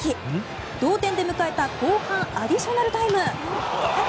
同点で迎えた後半アディショナルタイム。